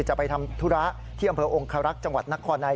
จะไปทำธุระที่อำเภอองคารักษ์จังหวัดนครนาย